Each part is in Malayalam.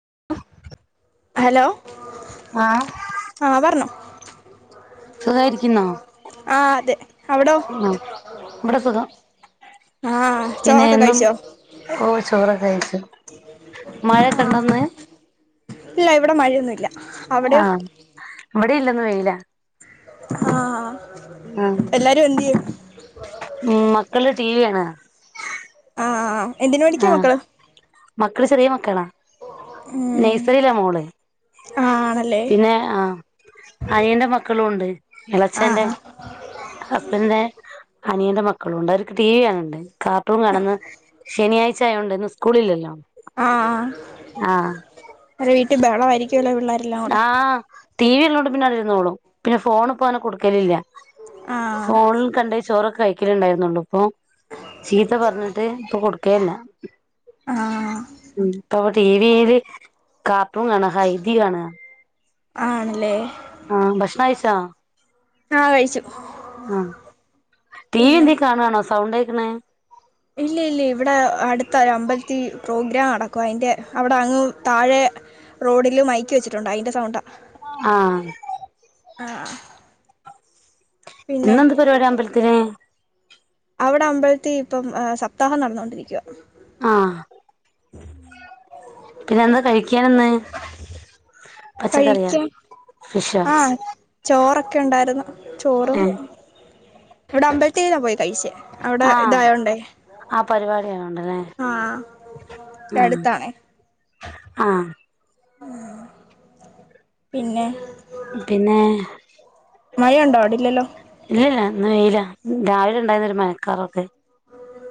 [inaudible] ഹലോ ആഹ് ആഹ് പറഞ്ഞോ സുഖായിരിക്കുന്നോ ആ അതെ അവിടോ ഉം ഇബടെ സുഖം ആ പിന്നെ ചോറൊക്കെ എന്നും കഴിച്ചോ ഓ ചോറൊ കെഴിച്ചു മഴക്കെണ്ടാന്ന് ഇല്ല ഇവടെ മഴയൊന്നുല്ല ആഹ് ഇബെടെ ഇല്ലന്നു വെയില ആഹ് ആഹ് എല്ലാരു എന്തേ മക്കള് ടി വി കാണാ എന്ന് പടിക്കാ ആഹ് മക്കള് മക്കള് ചെറിയ മക്കളാ ഉം നഴ്സറില മോള് ആ ആണല്ലേ പിന്നെ ആഹ് അനിയന്റെ മക്കളും ഉണ്ട് ആ എളച്ചന്റെ ഹസ്ബൻന്റെ അനിയന്റെ മക്കളുണ്ട് അവർക്ക് ടി വി ആണുണ്ട് കാർട്ടൂൺ കാണന്ന് ശനിയാഴ്ച ആയോണ്ടെ ന്ന് സ്കൂ ളില്ലല്ലോ ആഹ് അവര് വീട്ടിൽ ബഹളയിരിക്കും ക്കല്ലോ പിള്ളേരല്ലരുടെ ആഹ് ടി വി ല്ലോണ്ട് പിന്നെ അത് ഇരുന്നോളും പിന്നെ ഫോണ് പ്പോ അങ്ങനെ കൊടുക്കലില്ല ആ ഫോൺ ല് കണ്ട ചോറൊക്കെ കയി ഒല ഉണ്ടായിരുന്നുള്ളൂ ഇപ്പൊ ചീത്ത പറഞ്ഞിട്ട് ഇപ്പൊ കൊടുക്കയല്ല ആ ഉ പ [inaudible] ടി വിയില് കാപ്പും കാണ ഹ ഇതി കാണ ആണല്ലേ ആഹ ഭക്ഷണ [inaudible] ആഹ കഴിച്ചു ആ ടി വി പിന്നെ എന്തെക്കും കാണണോ സൗണ്ട [inaudible] ഇല്ല ഇല്ല ഇവിടെ അടുത്ത ഒരു അമ്പലത്തി പ്രോഗ്രാം നടക്കും അതിന്റെ അവിടെ അങ്ങ് താഴെ റോഡിൽ മൈക്ക വെച്ചിട്ടുണ്ട് അതിന്റെറെ സൗണ്ട ആഹ ആ പിന്നെ എന്നെന്ത് പരിപാടി അമ്പലത്തിന് അവിടെ അമ്പലത്തി ഇപ്പം സപ്താഹം നടന്നോണ്ടിരിക്കുവ ആഹ പിന്നെ എന്താ കഴിക്കൻന്ന് കഴിക്ക ഫിഷോ ആഹ ചോറൊക്കെ ഒക്കെ ഉണ്ടായിരുന്നു ചോറും ഏഹ് ഇവിടെ അമ്പലത്തേന്നാ പോയി കഴിച്ചേ അവിടെ ആഹ് ഇതായോണ്ടേ ആ പരിപാടി ആയോണ്ടല്ലേ ആഹ അടുത്താണേ ആഹ പിന്നെ പിന്നെ മഴയുണ്ടോ അവിടല്ലല്ലോ ഇല്ലല്ല ഇന്ന് വെയില രാവിലെ ഉണ്ടായിരുന്ന ഒരു മനക്കാറൊക്കെ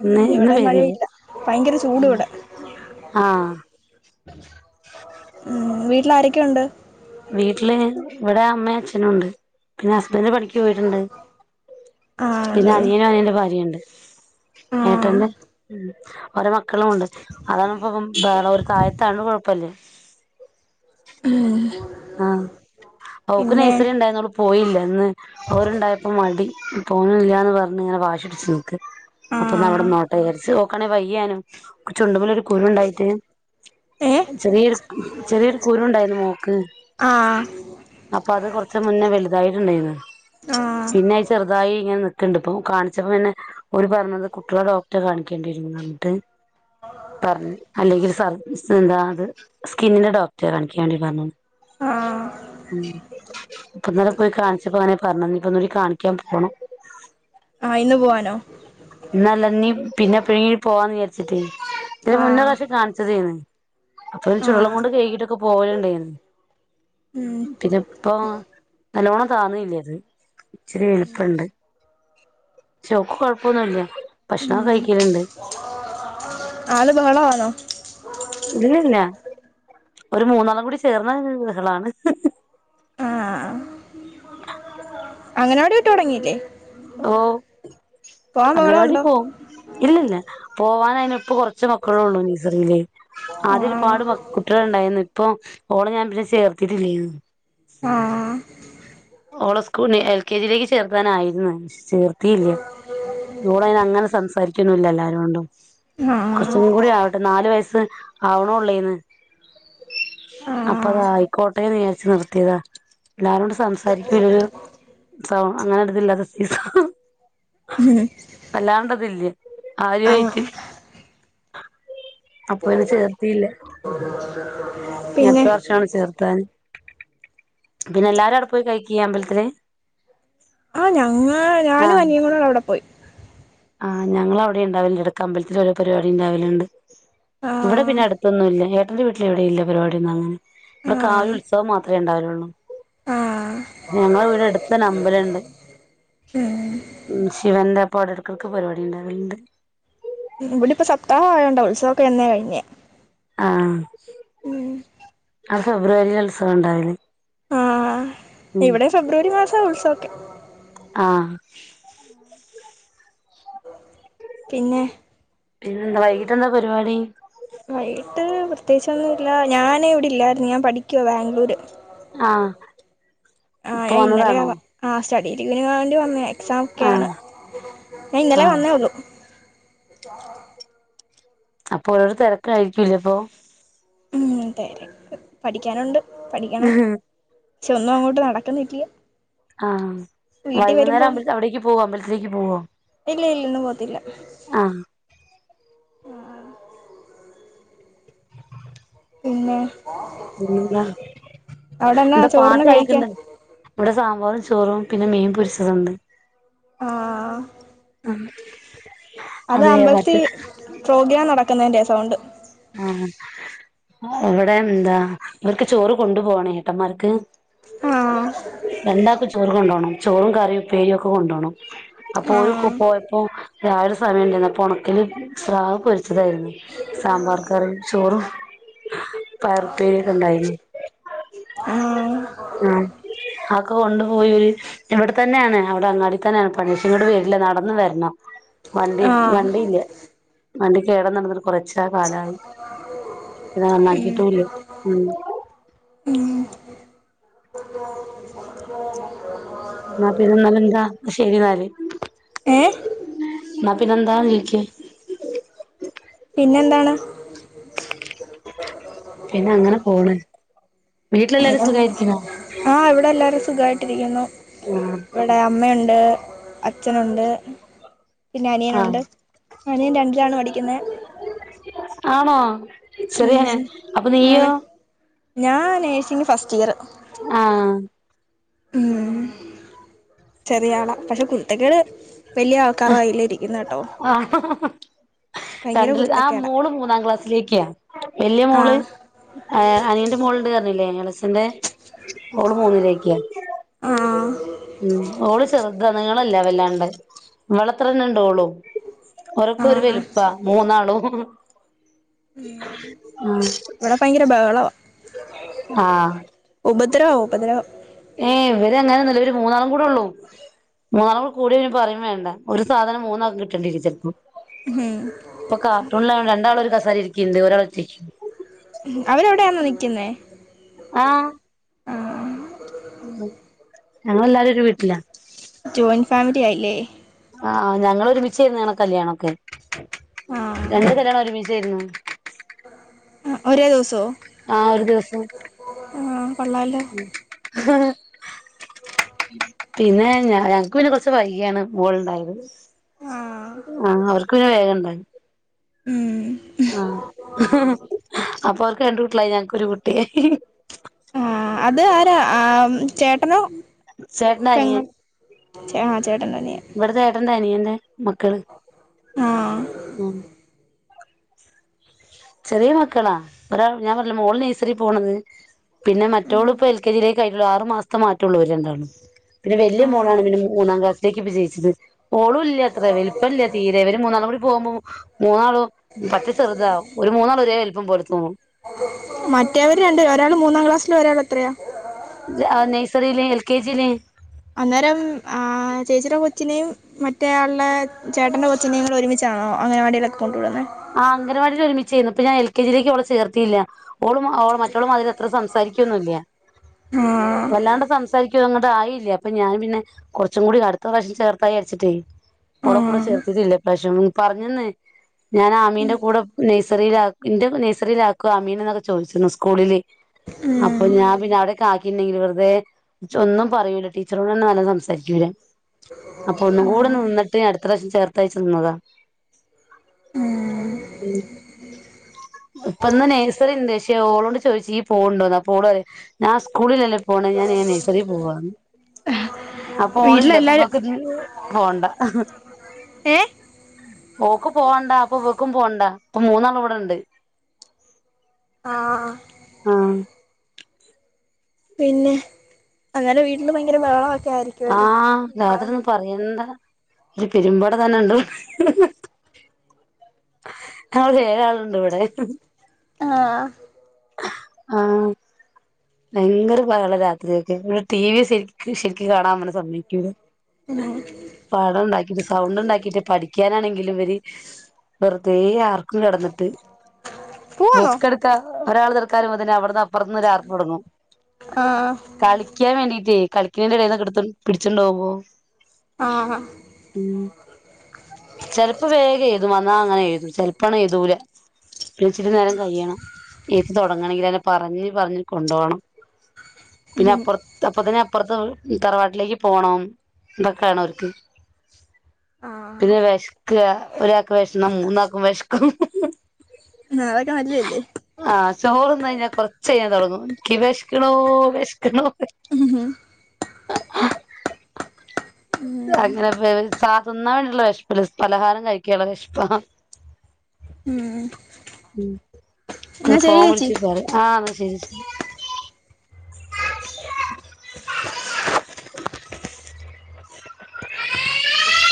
ഇന്ന് ഉം ഇവിടെ ഇന്ന് മഴയില്ല ഭയങ്കര ചൂട് ഇവിടെ [inaudible] ആഹ [inaudible] ഉം വീട്ട എ ആരൊക്കെയ ഉണ്ട് വീട്ടില് ഇവിടെ അമ്മയും അച്ഛനുംഉണ്ട് പിന്നെ ഹസ്ബന്ഡ് പഠിക്ക പോയിട്ടുണ്ട് ആ പിന്നെ അല്ലേ അനിയനും അനന്റെ ഭാര്യുണ്ട് ആ ട്ടന്റെ ഒരവാ മക്കളുംണ്ട് അതാണ് ഇപ്പ വേ താഴത്താണോകുഴപ്പല്ലേ ഉം ആഹ് ഓൾക്ക് പിന്നെ നൈസറി ഉണ്ടായിരുന്നു പോയില്ല എന്ന് അവരുണ്ടായപ്പോൾ മടി പോന്നില്ലന്ന് പറഞ്ഞ് ഇങ്ങനെ വാശി പിടിച്ചിരുന്നു ആ അപ്പൊവിടെ നോട്ട തചാരിച്ച് നോക്കാണെങ്കിൽ വയ്യാനും കു ചുണ്ടുമലൊ ഒരു കുരുണ്ടായിട്ട ഏ ചെറിയൊരു ചെറിയൊരു കുരു ഉണ്ടായിരുന്നു മോക്ക് ആ ച്ച് മുന്നേ വലുതായിട്ടുണ്ടായിരുന്നു ആ പിന്നെ അത് ചെറുതായി ഇങ്ങനെ നിക്കുന്നുണ്ട് ഇപ്പോ കാണിച്ചപ്പോന്നെ ഒരു പറഞ്ഞത് കുട്ടികളെ ഡോക്ടറെ കാണിക്കേണ്ടിരുന്നു പറഞ്ഞിട്ട് പറഞ്ഞു അല്ലെങ്കിൽ സ എന്താത് സ്കിന്നിന്റെ ഡോക്ടറെ കാണിക്കാൻ വേണ്ടി പറഞ്ഞു ആ ഉം ഇപ്പൊ ഇന്നലെ പോയി കാണിച്ചപ്പോ അങ്ങനെ പറഞ്ഞപ്പ ഒന്നുകൂടി കാണിക്കാൻ പോണം ആ ഇന്ന് പോവാനോ ഇന്നല്ല നിപിന്നെ വീ പോവാന്ന് വിചരിച്ചിട്ട് ഇതി ആ മുന്ന ഒരുപ്രവിശ്വകാണിച്ചതേന് അപ്പൊ ഒരു ചുടുളം ആ കൊണ്ട് കഴകിട്ടൊക്കെ പോവലുണ്ടായിരുന്നു ഉം പിന്നെ ഇപ്പോ നല്ലോണം കാണല്ലേത് ഇച്ചിരി എളുപ്പുണ്ട് ഇച്ച് ഓൾക്ക്കൊഴ പ്പൊന്നൂല്ല ഭക്ഷണംഒക്കെ കഴിക്കലുണ്ട് ബഹളം ആണോ ഇലല്ലഒരു മൂന്നണ്ണം കൂടി ചേർന്ന ബഹളാണ് ആ അംഗനാവാടി വിട്ട്തുടങ്ങിയില്ലേ ഓ ബഹളം അംഗനവാടി ഉണ്ടോ പോവും ഇല്ലല്ല പോവാൻ ആനും ഇപ്പൊ കുറച്ച മക്കള ഉള്ളു നീസറിയില് ആദ്യ ആ ഒരുപാട് കുട്ടികൾ ഉണ്ടായിരുന്നു ഇപ്പൊ ഓള് ഞാൻ പിന്നെ ചേർത്തിട്ടില്ലേയിരുന്നു ആ ഓളോ സ്കൂൾ എൽ കെ ജിയിലേക്ക് ചേർത്താനായിരുന്നു ചീർത്തിയില്ല ഇൂടെന് അങ്ങനെ സംസാരിക്കൊന്നല്ല എല്ലാരും കൊണ്ടും ആ കുറച്ചും കൂടി ആവട്ടെ നാലു വയസ്സ് അവളോള്ളായിരിന്ന് അപ്പൊ അതാ ആ ആയിക്കോട്ടെന്ന് വി ച്ച് നിർത്തിയതാ എല്ലാരോടും സം സാരിക്കൂലേലും സൗ അങ്ങനെ അടുത്തില്ലാത്ത സൈസാ അല്ലാണ്ടതില്ലആരു ആ ആയിട്ട് അപ്പൊ ഇന് ചേർത്തില്ല ഇനി പിന്നെ അടുത്ത വർഷമാണ് ചേർത്താന് പിന്നെ എല്ലാരും പോയി കഴിക്കോ അ മ്പലത്തില് ആ ഞങ്ങ ഞാനു അനിയങ്ങോട് അവിടെ പോയി ആ ഞങ്ങ അവിടെ ഉണ്ടാവില്ല ഇടടെ അമ്പലത്തിൽഓരോ പരിപാടി ഉണ്ടാവലുണ്ട് ആ ഇവിടെ പിന്നെ അടുത്തൊന്നുംല്ല ഏ ട്ടന്റെറ വീട്ടില് എവിടെ ഇല്ല പരിപാടി ഒന്നങ്ങനെ ഇവിടെ ആ കാവ് ഉത്സവം മാത്രമേ ഉണ്ടാവുള്ളൂ ആ ണം ഞങ്ങളെ വീടെ അടുത്തന്നെ അമ്പലുണ്ട് ഉം ശിവന്റെ പടരും മക്കൾക്ക് പരിപാടി ഉണ്ടാവലുണ്ട് ഉം ഇവിടെ ഇപ്പം സപ്താഹം ആയോണ്ടാ ഉത്സവോക്കെ എന്നേ കഴിഞ്ഞ്. ആഹ് ഫെബ്രുവരിൽ ഉത്സവം ഉണ്ടാവില്ലേ? ആ ഇവിടെ ഫെബ്രുവരി മാസവാ ഉത്സവം. ആഹ് പിന്നെ പിന്നെന്താ വൈകിട്ട് എന്താ പരിപാടി? വൈകട്ട് പ്രത്യേകിച്ചൊന്നൂല്ല ഞാന് ഇവിടെ ഇല്ലായിരുന്നു ഞാൻ പഠിക്കുവാ ബാംഗ്ലൂര്. ആഹ് ആഹ് ഇപ്പൊ ഞാൻ ഇന്നലെയാ വന്നതാണോ വന്ന ആഹ് സ്റ്റഡീ ലീവിന് വേണ്ടി വന്നയാ എക്സാം ഒക്കെയാണ് ആഹ് ഞാൻ ഇന്നലെ ആഹ് വന്നേയുള്ളു. അപ്പൊ ഓരോരോ തിരക്ക് ആയിരിക്കൂല അപ്പൊ? ഉം തെക്ക്, പഠിക്കാനുണ്ട് പഠിക്കണം പക്ഷെ ഒന്നും അങ്ങോട്ട് നടക്കന്നിട്ടില്ല ആഹ് വൈകുന്നേരം ആവുമ്പ [unintelligible] അവിടേക്ക് പോവോ അമ്പലത്തിലേക്ക് പോവോ ഇല്ല ഇല്ല ഇന്ന് ആഹ് അ ആഹ് പിന്നേ [unintelligible] അവിടെന്നാ എന്താ ചോറിന് പാട്ട് കേക്ക്ണ്ട കഴിക്കാൻ ഇവിടെ സാമ്പാറും ചോറും പിന്നെ മീൻ പൊരിച്ചതുണ്ട് ആഹ് അത് അതെ അമ്പൽത്തി മറ്റേ പ്രോഗ്രാം നടക്കുന്നന്റെ സൗണ്ട് ആഹ് ഇവിടെ എന്താ ഇവർക്ക് ചോറ് കൊണ്ടു പോണേ ഏട്ടന്മാർക്ക് ആഹ് രണ്ടാൾക്കും ചോറ് കൊണ്ടോണം ചോറും കറിയും ഉപ്പേരി ഒക്കെ കൊണ്ടോണം അപ്പൊ ഓര് ഒക്കെ ആഹ് പോയപ്പോ രാവിലെ സമയം ഉണ്ടായിരുന്നു അപ്പൊ ണക്കല് സ്രാവ് പൊരിച്ചതായിരുന്നു. സാമ്പാർ കറിയും ചോറും പയറുപ്പേരി ഒക്കെ ഉണ്ടായിരുന്നു ആഹ് ആഹ് അതൊക്കെ കൊണ്ടുപോയി ഇവിടെ തന്നെയാണ് അവിടെ അങ്ങാടി തന്നെയാണ് പണി പക്ഷേ ഇങ്ങട് വരില്ല നടന്ന് വരണം. വണ്ടി ആഹ് വണ്ടിയില്ല. വണ്ടി കേറന്ന്ള്ളത് കുറച്ച് കാലായി പിന്നെ നന്നാക്കീട്ടൂല്ല ഉം ന്നാ പിന്നെന്നാലെന്താ ശെരിന്നാല് ഏഹ് ന്നാ പിന്നെന്താ ചോയ്ക്ക് പിന്നെന്താണ് പിന്നെ അങ്ങനെ പോണ് വീട്ടിലെല്ലാരും സുഖായിരിക്കുന്നോ ആ ഇവിടെ എല്ലാവരും സുഖായിട്ടിരിക്കുന്നു ആഹ് ഇവിടെ അമ്മയുണ്ട് അച്ഛനുണ്ട് പിന്നെ ആഹ് അനിയനുണ്ട് അനിയൻ രണ്ടിലാണ് പഠിക്കുന്നെ ചെറിയനിയൻ അപ്പൊ നീയോ ഞാ നഴ്സിങ് ഫസ്റ്റിയറ് ആ ഉം ചെറിയാള പക്ഷെ കു കേട്ടോ ആ അഹഹാ ഭയങ്കര രണ്ടില് ആ കുരുത്തക്കേടാ മോള് മൂന്നാം ക്ലാസ്സിലേക്ക് വല്യ ആ മോള് അനിയന്റെ മോളുണ്ട്റ്ഞ്ഞില്ലേ എ ളച്ചന്റെ ഓള് മൂന്നിലേക്ക് ആ ഉം ഓള് ചെറുത നീ ളല്ല വല്ലാണ്ട് ഇവളത്രന്നെ ണ്ടാവോള്ളു ഓരൊക്കെ ആ ഒരു വലുപ്പ മൂന്നാളും ഉം ഇവടെ ഭയങ്കര ബഹളവാ ഉപ പദ്രവാ ഉപദ്രവം ഏ ഇവര് അങ്ങനെയൊന്നല്ല ഇവര് മൂന്നാളും കൂടെള്ളൂ മൂന്നാളും കൂടെ കൂടിയ ഇനി പറിം വേണ്ട ഒരു സാധനം മൂന്നാക്കും കിട്ടേണ്ടേരും ചെല് പ്പോ ഉം ഇപ്പൊ കാർട്ടൂൺലാണ് രണ്ടാളും ഒര് കസേരേരി ക്കിണ്ട് ഒരാളെറ്റയ്ക്ക് അവരവിടെയാന്നോ നിക്ക്ന്നേ ഞങ്ങൾ എല്ലാരും ദര് വീട്ട്ലാ ജോയിന്റ് ഫാമിലി ആയില്ലേ ആ ഞങ്ങളൊരുമിച്ചേയ്ര്ന്ന് ഞങ്ങളെ കല്യാണൊക്കെ ആഹ് രണ്ടു കല്യാണം ഒരുമി ച്ചേയ്ര്ന്നു ആ ഒരേ ദിവസോ ആ ഒരു ദിവസം ആഹ് കൊള്ളാലോ പിന്നെ ഞങ്ങക്ക് പിന്നെ കൊറ്ച്ച് വൈകിയാണ് മോൾണ്ടായത് ആഹ് ആ അവർക്ക് പിന്നെ വേഗണ്ട് ണ്ടായി ഉം ആഹ് അപ്പൊ അവക്ക് രണ്ട് കുട്ടികള്ളായി ഞനക്ക് ഒരു ആഹ് അത് ആരാ ആഹ് ചേട്ടനോ പെങ്ങളോ ആഹ് ചേട്ടന്റെ അനിയൻ ഇവിടത്തെ ഏട്ടന്റ അനിയന്ന് മക്കള് ആഹ് ഉം ചെറിയ മക്കളാ ഒരാൾ ഞാൻ പറഞ്ഞില്ലേ മോള് നഴ്സറി പോണത് പിന്നെ മറ്റോള് ഇപ്പ എൽ കെ ജിക്ക് കുള്ളൂ ആറു മാസത്തെമാറ്റള്ളൂ ഒരു എന്തായാലും പിന്നെ വലിയ ആഹ് മോളാണ് പിന്നെ [unintelligible] ക്ക് [unintelligible] ഓളും ഇല്ല അത്ര വലിപ്പം ഇല്ല തീരെ ഇവര് മൂന്നാളൂടി ഹോമു മൂന്നാളും പറ്റി ചെറുതാവും ഒരേ വലുപ്പം പോലെ തോന്നും മറ്റേവര്ണ്ട് ഒരാൾ മൂന്നാം ക്ലാസ്സില് ഒരാൾ എത്രയാ നഴ്സറില്ലേ എൽ കെ ജില്ലേ അന്നേരം ചേച്ചിയുടെ കൊച്ചിനേും മറ്റേയാളുടെ ചേട്ടന്റെ കൊച്ചിനെയും നിങ്ങൾ ഒരുമിച്ചാണോ അങ്ങനവാടിയില്ലേ ഒക്ക കൊണ്ടു വിടുന്നത് ആഹ് അംഗനവാടിയിൽ ഒരുമിച്ചിരുന്നുപ്പ ഞാൻ എൽ കെ ജിയിലേക്ക് ചേർത്തില്ല അവളും മറ്റോളുമാതിരി ആത്ര സംസാരിക്കുവൊന്നുംല്ല ആഹ് വല്ലാണ്ട് സംസാരിക്കുംങ്ങ് അതായില്ലേ അപ്പൊ ഞാൻ പിന്നെ കുറച്ചും കൂടി അടുത്ത പ്രാവശ്യം ചേർത്തായി വിചാരിച്ചിട്ടെ ഓടെ കൂടെ ആഹ് ചേർത്തില്ല ഇപ്രാവശ്യം പറഞ്ഞന്നെ ഞാൻ ആമീന്റെ കൂടെ നിസ എന്റെ നഴിസറിലാഅമ്മിനാ എന്നൊക്കെ ചോദിച്ചിരുന്നു സ്കൂളില് അപ്പൊ ഉം ഞാൻ പിന്നെ അവരെ ണ്ടെങ്കിൽ വെറുതെ ഒന്നും പറയുല്ല ടീച്ചറോട് തന്നെ നല്ല സംസാരിക്കൂല്ല അപ്പൊ ഒന്നും കൂടെ നിന്നിട്ട് അടുത്ത പ്രാവശ്യം ചേർത്തയച്ചു നിന്നതാ ഉം ഇപ്പൊന്ന് നേഴ്സറി ഉണ്ട് പക്ഷെ ഓളോണ്ട് ചോദിച്ച് നീ പോണുണ്ടോന്ന് അപ്പൊ ഓള്ള് ഞാൻ സ്കൂളിലല്ല പോണ ഞാൻ നെസറിൽ പോവ അപ്പൊ ഓളില്ലേ ഇപ്പ വീട്ടിലെല്ലാരും പോണ്ട ഏഹ് ഓക്ക് പോൺ പോവണ്ട അപ്പൊ ഇവക്കും പോണ്ടാ ഇപ്പം മൂന്നാളുവടെണ്ട് ആഹ് ആഹ് പിന്നെ അന്നേരം വീട്ടില് ഭയങ്കര ബഹളവൊ ആഹ് നേർത്തന്നും പറയണ്ടാ ഒരു പെരുമ്പട തന്നെണ്ടിവടെ. ഞങ്ങൾക്ക് ഏഴാള് ഇണ്ട് വടെ ആഹ് ആഹ് ഭയങ്കര ബഹളാ രാത്രിയൊക്കെ. [unintelligible] ടി വി സരിക്ക് ശരിക്ക് കാണാൻ ങ്ങനെ സമ്മയ്ക്കൂല. ഉം പടം ഇണ്ടാക്കീട്ട് സൗണ്ട്ണ്ടാക്കീട്ട് പഠിക് ക്കാനാണെങ്കിലും ഇവര് വെറുതേ ആർ ക്കും കെടന്നിട്ട് പോവാന്നോ ബുക്കെടുക്കാ ഒരാള് തെര ക്കാ തന്നെ അവിടെന്നാ പൊറത്ത് നിന്നൊരാറ് തൊടങ്ങും ആഹ് കളിക്കാൻ വേണ്ടീട്ടേ കളിക്കിണേന്റെ എടേന്നൊക്കെ എടുത്തോ പിടിച്ചോണ്ട് പോവുമ്പോ ആഹ് ഉം ചെലപ്പം വേഗം എഴുതും വന്നാ അങ്ങനെ ഏഴു എഴുതും ചെലപ്പാണ് എയ്തൂല പിന്നെ ഇച്ചിരി നേരം കയിയണം എയ്തി തൊടങ്ങണെങ്കില് അങ്ങനെ പറഞ്ഞ് പറഞ്ഞ് കൊണ്ടോണം പിന്നെ ഉം അപ്പുറത്ത് അപ്പത്തന്നെ അപ്പറത്ത് തറവാട്ടിലേക്ക് പോണം ഇതൊക്കെയാണ് അവർക്ക് ആഹ് പിന്നെ വെശക്കുവാ ഒരാ ക്ക് വെശന്നാ മൂന്നാക്കും വെശ അതൊക്കെ നല്ലയല്ലേ ആ ചോറ് തിന്ന് കയിഞ്ഞാ കൊറ ചെയ്യാൻ തൊടങ്ങും ക്കി വെശ്ക്ക്ണോ വെശ്ക്ക്ണോ ഉം അങ്ങനെ വേവ് സാ തിന്നാൻ വേണ്ടീട്ട്ള്ള വെശ്പ്പല്ല പലഹാരം കയിക്കാൻള്ള വെശ്പ്പാ ഉം ഉം അ ഫോൺ വിളിച്ചി [unintelligible] ആഹ് എന്നാ ശരി ശ